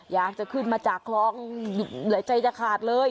อยากจะขึ้นมาจากคลองเหลือใจจะขาดเลย